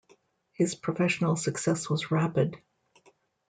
His professional success was rapid.